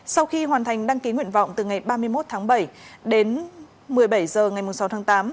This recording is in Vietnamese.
sau khi hoàn thành đăng ký nguyện vọng từ ngày ba mươi một tháng bảy đến một mươi bảy h ngày sáu tháng tám